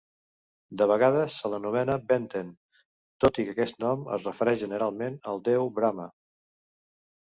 De vegades se l'anomena Benten, tot i que aquest nom es refereix generalment al déu Brahma.